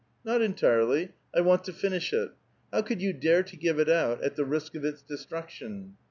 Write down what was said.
" Not entirely ; I want to finish it. How could you dare to give it out at the risk of its destruction